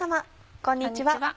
こんにちは。